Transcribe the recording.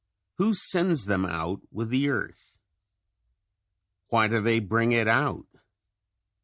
Who sends them out with the earth? Why do they bring it out?